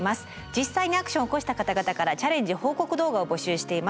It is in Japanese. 実際にアクションを起こした方々からチャレンジ報告動画を募集しています。